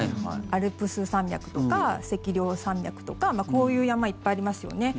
アルプス山脈とか脊梁山脈とかこういう山いっぱいありますよね。